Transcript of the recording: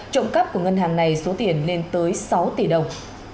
trộm cắp của ngân hàng này số tiền lên tới sáu tỷ đồng